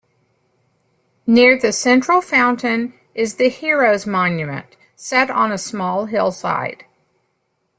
Near the central fountain is the Heroes Monument, set on a small hillside.